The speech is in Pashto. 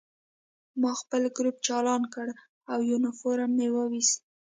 ما خپل ګروپ چالان کړ او یونیفورم مې وویست